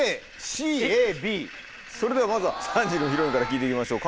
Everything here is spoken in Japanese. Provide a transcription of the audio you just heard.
それではまずは３時のヒロインから聞いて行きましょう。